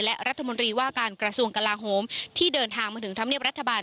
และรัฐมนตรีว่าการกระทรวงกลาโฮมที่เดินทางมาถึงธรรมเนียบรัฐบาล